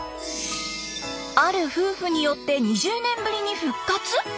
ある夫婦によって２０年ぶりに復活？